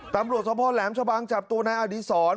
ตำรวจสมพ่อแหลมชะบังจับตัวนายอดีศร